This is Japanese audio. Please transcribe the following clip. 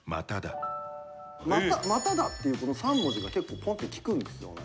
「まただ」っていうこの３文字が結構ぽんって、きくんですよね。